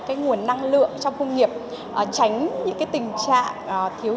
tránh những cái tình trạng thiếu điện cho các doanh nghiệp